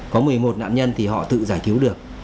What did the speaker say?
có một mươi một nạn nhân thì họ tự giải cứu được